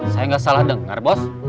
saya nggak salah dengar bos